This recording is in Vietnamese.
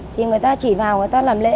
thì người ta chỉ vào người ta làm lễ